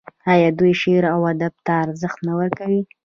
آیا دوی شعر او ادب ته ارزښت نه ورکوي؟